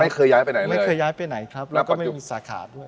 ไม่เคยย้ายไปไหนไม่เคยย้ายไปไหนครับแล้วก็ไม่มีสาขาด้วย